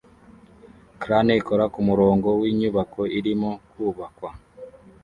Crane ikora kumurongo winyubako irimo kubakwa